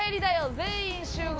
全員集合。